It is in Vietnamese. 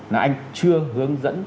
là anh chưa hướng dẫn